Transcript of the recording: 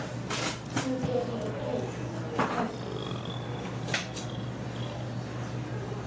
休憩のとき返すから。